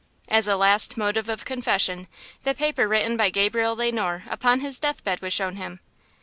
As a last motive of confession, the paper written by Gabriel Le Noir upon his death bed was shown him.